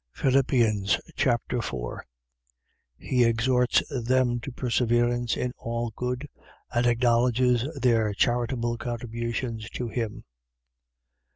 Philippians Chapter 4 He exhorts them to perseverance in all good and acknowledges their charitable contributions to him.